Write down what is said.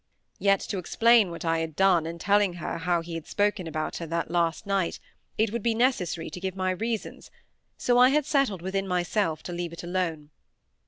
Yet to explain what I had done in telling her how he had spoken about her that last night, it would be necessary to give my reasons, so I had settled within myself to leave it alone.